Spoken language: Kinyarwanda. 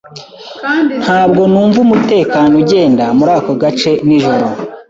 Ntabwo numva umutekano ugenda muri ako gace nijoro .